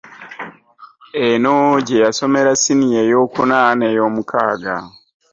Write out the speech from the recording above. Eno gye yasomera siniya ey'okuna n'eyomukaaga